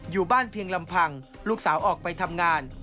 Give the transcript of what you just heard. อยู่บ้านเพียงลำพังลูกสาวออกไปทำงาน